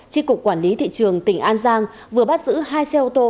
tri cục quản lý thị trường tỉnh an giang vừa bắt giữ hai xe ô tô